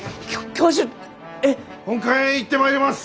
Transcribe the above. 本館へ行ってまいります！